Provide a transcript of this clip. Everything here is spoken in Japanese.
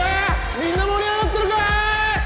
みんな盛り上がってるかい！